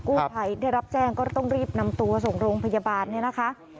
ภัยได้รับแจ้งก็ต้องรีบนำตัวส่งโรงพยาบาลเนี่ยนะคะ